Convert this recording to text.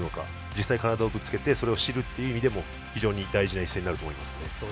実際、体をぶつけてそれを知る意味でも非常に大事な一戦になると思います。